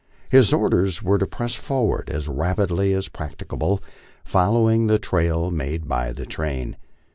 His orders were to press forward as rapidly as practi cable, following the trail made by the train.